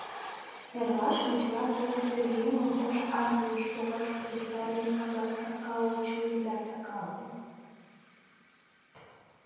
Эрлашым чыла таза пӧръеҥым ош армийыш погаш увертарыме кагаз капка ончыл еда сакалте.